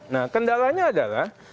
nah kendalanya adalah